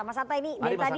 mas anta ini dari tadi